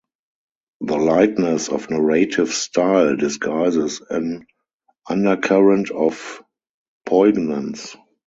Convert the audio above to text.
The lightness of narrative style disguises an undercurrent of poignance.